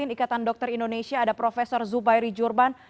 ikatan dokter indonesia ada prof zubairi jurban